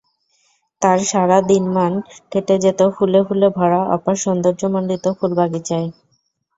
তার সারা দিনমান কেটে যেত ফুলে ফুলে ভরা অপার সৌন্দর্যমণ্ডিত ফুল বাগিচায়।